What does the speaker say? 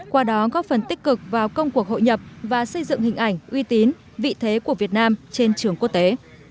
qua đó góp phần tích cực vào công cuộc hội nhập và xây dựng hình ảnh uy tín vị thế của việt nam trên trường quốc tế